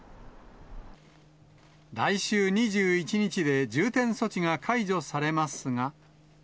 来週２１日で重点措置が解除されますが。